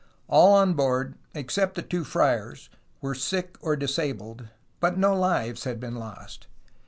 All on board except the two friars were sick or disabled, but no Hves had been lost.